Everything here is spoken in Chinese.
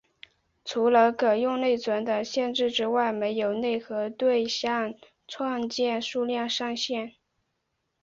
除了可用内存的限制之外没有内核对象创建数量上限。